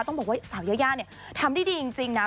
ต้องบอกว่าสาวยายาเนี่ยทำได้ดีจริงนะ